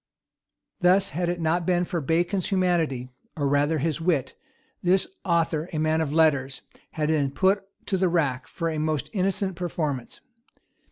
[] Thus, had it not been for Bacon's humanity, or rather his wit, this author, a man of letters, had been put to the rack for a most innocent performance.